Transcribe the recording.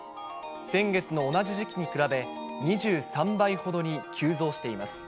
先月の同じ時期に比べ、２３倍ほどに急増しています。